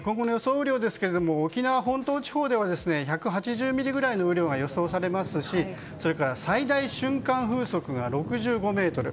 雨量ですが沖縄本島地方では１８０ミリぐらいの雨量が予想されますしそれから最大瞬間風速が６５メートル。